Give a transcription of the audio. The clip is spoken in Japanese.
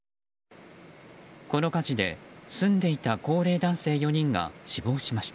この火事で、住んでいた高齢男性４人が死亡しました。